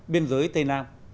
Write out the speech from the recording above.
biên giới tây nam